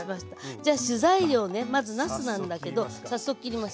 じゃあ主材料ねまずなすなんだけど早速切ります。